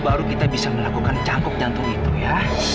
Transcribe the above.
baru kita bisa melakukan cangkup jantung itu ya